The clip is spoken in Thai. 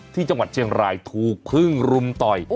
ที่จังหวัดเชียงรายถูกพึ่งรุมต่อย